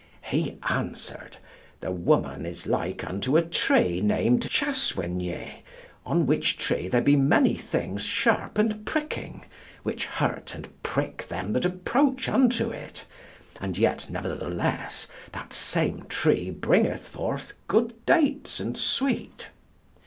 He answered, "The woman is like unto a tree named Chassoygnet, on which tree there be many things sharp and pricking, which hurt and prick them that approach unto it; and yet, nevertheless, that same tree bringeth forth good dates and sweet."